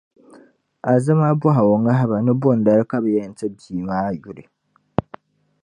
Azima bɔhi o ŋahiba ni bɔndali ka bɛ yɛn ti bia maa yuli?